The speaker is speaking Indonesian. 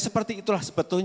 seperti itulah sebetulnya